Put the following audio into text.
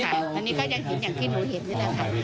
ในนี้เขายังไห้เห็นนี่เหมือนกลูกเผ็ดเดรอะค่ะ